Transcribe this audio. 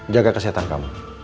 jaga kesehatan kamu